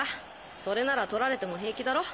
それなら撮られても平気だろ？